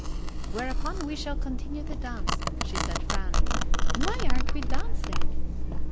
"Whereupon we shall continue the dance," she said, frowning. "Why aren't we dancing?"